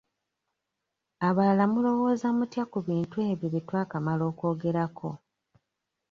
Abalala mulowooza mutya ku bintu ebyo bye twakamala okwogerako?